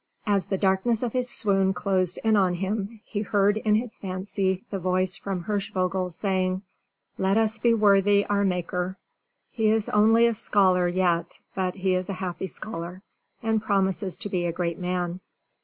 As the darkness of his swoon closed in on him, he heard in his fancy the voice from Hirschvogel saying: "Let us be worthy our maker!" He is only a scholar yet, but he is a happy scholar, and promises to be a great man.